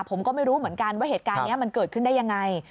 ผมก็ไม่รู้เหมือนกันว่าเหตุการณ์นี้มันเกิดขึ้นได้ยังไง